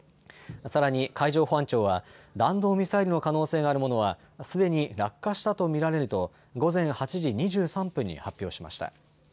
さらに海上保安庁は弾道ミサイルの可能性があるものはすでに落下したと見られると午前８時２３分に発表しました。